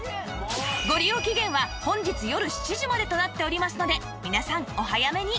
ご利用期限は本日よる７時までとなっておりますので皆さんお早めに